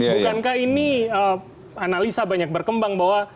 bukankah ini analisa banyak berkembang bahwa